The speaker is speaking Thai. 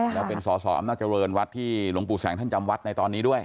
น่าเป็นสสนเจริญวัดที่หลงปู่แสงท่านจำวัดในตอนนี้ด้วย